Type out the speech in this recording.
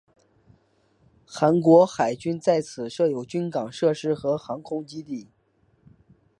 韩国海军在此设有军港设施和航空基地。